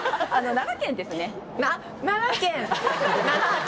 奈良県。